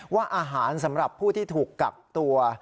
ว่าอาหารสำหรับผู้ที่ถูกกักตัว